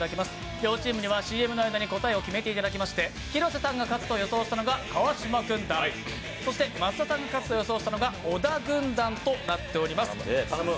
両チームにはＣＭの間に答えを決めていただきまして広瀬さんが勝つと予想したのが川島軍団、益田さんが勝つと予想したのが小田軍団となっております。